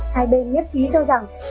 hai bên nhấp trí cho rằng